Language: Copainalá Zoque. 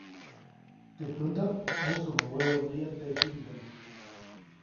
Teʼ pändaʼm mujsumuŋ weweneya tejiʼŋdaʼm.